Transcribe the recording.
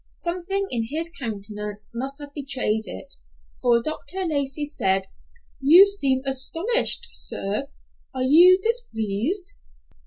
Something in his countenance must have betrayed it, for Dr. Lacey said, "You seem astonished, sir. Are you displeased?"